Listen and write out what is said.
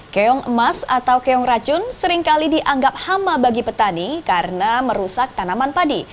keong emas atau keong racun seringkali dianggap hama bagi petani karena merusak tanaman padi